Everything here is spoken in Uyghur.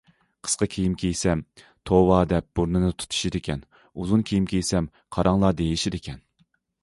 قىسقا كىيىم كىيسەم« توۋا» دەپ بۇرنىنى تۇتىشىدىكەن، ئۇزۇن كىيىم كىيسەم« قاراڭلار» دېيىشىدىكەن.